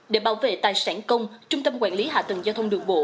để bảo vệ tài sản công trung tâm quản lý hạ tầng giao thông đường bộ